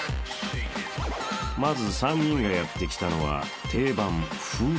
［まず３人がやって来たのは定番］